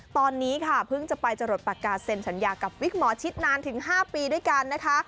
ตอนนี้ค่ะเพิ่งจะไปจรดปากกาเซ็นสัญญากับวิกหมอชิดนานถึง๕ปีด้วยกันนะคะ